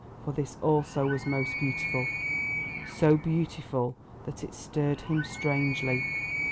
For this also was most beautiful—so beautiful that it stirred him strangely.